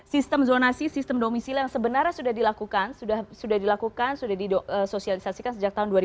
sistem zonasi sistem domisil yang sebenarnya sudah dilakukan sudah disosialisasikan sejak bulan juni